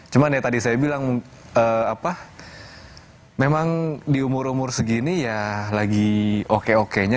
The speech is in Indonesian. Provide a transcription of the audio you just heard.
cuman ya tadi saya bilang memang di umur umur segini ya lagi oke okenya